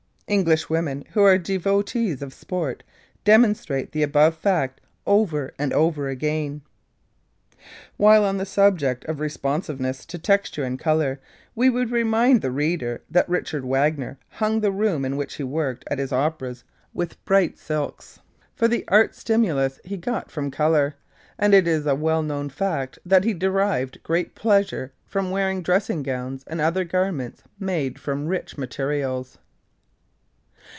English women who are devotees of sport, demonstrate the above fact over and over again. While on the subject of responsiveness to texture and colour we would remind the reader that Richard Wagner hung the room in which he worked at his operas with bright silks, for the art stimulus he got from colour, and it is a well known fact that he derived great pleasure from wearing dressing gowns and other garments made from rich materials.